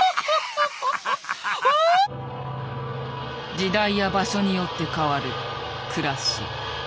時代や場所によって変わるくらし。